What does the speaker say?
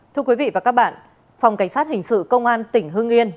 thưa quý vị và các bạn phòng cảnh sát hình sự công an tỉnh hưng yên